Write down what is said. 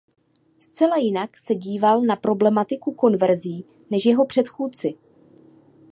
Zcela jinak se díval na problematiku konverzí než jeho předchůdci.